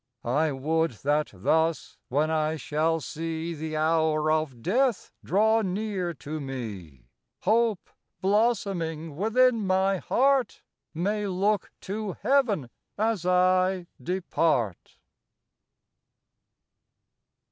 I would that thus, when I shall see The hour of death draw near to me, Hope, blossoming within my heart, May look to heaven as I depart.